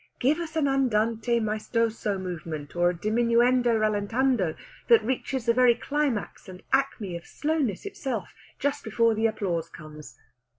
Give us an andante maestoso movement, or a diminuendo rallentando that reaches the very climax and acme of slowness itself just before the applause comes!